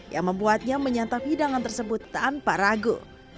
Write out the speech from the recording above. yang membuatnya menyantap hidangan tersebut tanpa ragu